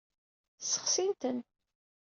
Ssexsin-ten.